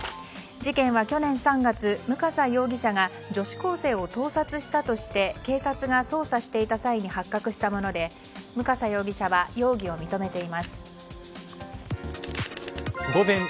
事件は去年３月向笠容疑者が女子高生を盗撮したとして警察が捜査していた際に発覚したもので向笠容疑者は容疑を認めています。